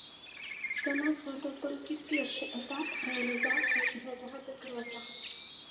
Для нас гэта толькі першы этап рэалізацыі гэтага дэкрэта.